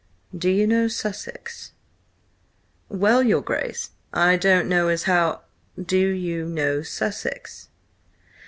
"Do you know Sussex?" "Well, your Grace, I don't know as how—" "Do you know Sussex?"